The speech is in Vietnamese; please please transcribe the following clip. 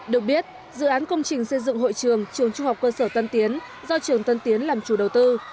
được biết dự án công trình xây dựng hội trường trường trung học cơ sở tân tiến do trường tân tiến làm chủ đầu tư